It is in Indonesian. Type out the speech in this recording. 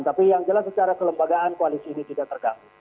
tapi yang jelas secara kelembagaan koalisi ini tidak terganggu